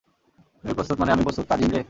তুমি প্রস্তুত মানে আমিও প্রস্তুত, কাজিন রে।